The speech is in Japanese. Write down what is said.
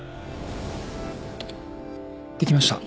できました。